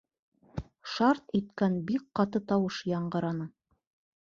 Шарт иткән бик ҡаты тауыш яңғыраны.